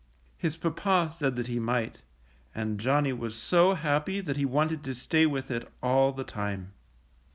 His papa said that he might, and Johnny was so happy that he wanted to stay with it all the time.